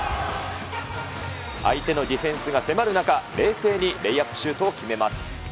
相手のディフェンスが迫る中、冷静にレイアップシュートを決めます。